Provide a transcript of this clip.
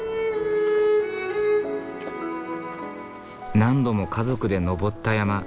何度も家族で登った山。